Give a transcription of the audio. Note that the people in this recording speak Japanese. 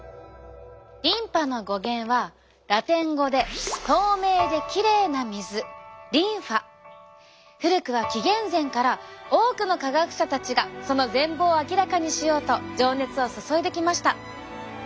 リンパの語源はラテン語で古くは紀元前から多くの科学者たちがその全貌を明らかにしようと情熱を注いできました。